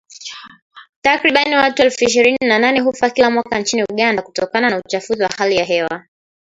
Takriban watu elfu ishirini na nane hufa kila mwaka nchini Uganda kutokana na uchafuzi wa hali ya hewa